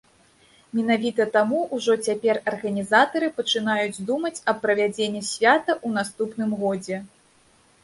Менавіта таму ўжо цяпер арганізатары пачынаюць думаць аб правядзенні свята ў наступным годзе.